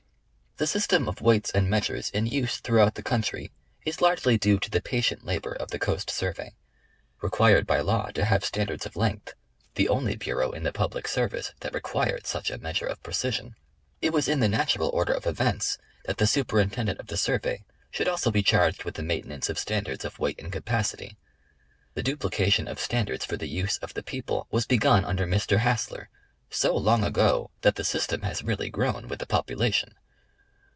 The system of weights and measures in use throughout the country is largely due to the patient labor of the Coast Survey. Required by law to have standards of length, the only bureau in TJie Biirvey of the Coast. 71 the public service that required such a measure of precision, it was in the natural order of events that the Superintendent of the Sur vey should also be chai'ged with the maintenance of standards of Weight and Capacity. The duplication of standards for the use of the people was begun under Mr. Hassler, so long ago that the system has really grown with the population.